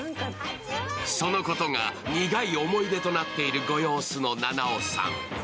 そのことが苦い思い出となっているご様子の菜々緒さん。